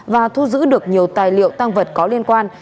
và thu giữ được nhiều tài liệu tăng vật có liên quan